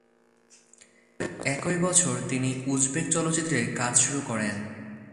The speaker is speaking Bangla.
একই বছর তিনি উজবেক চলচ্চিত্রে কাজ শুরু করেন।